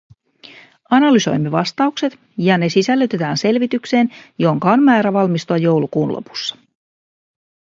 Analysoimme vastaukset, ja ne sisällytetään selvitykseen, jonka on määrä valmistua joulukuun lopussa.